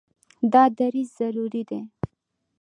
دا دریځ ضروري دی.